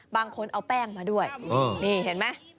บางคนเอาแป้งมาด้วยนี่เห็นไหม